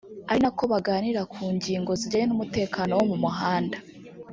ari nako baganira ku ngingo zijyanye n’umutekano wo mu muhanda